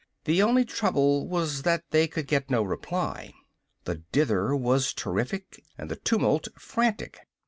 The only trouble was that they could get no reply. The dither was terrific and the tumult frantic.